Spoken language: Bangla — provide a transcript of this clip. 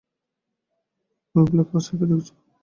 ঐ ব্লকহাউসটা দেখেছো?